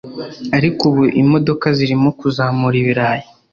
Ariko ubu imodoka zirimo kuzamura ibirayi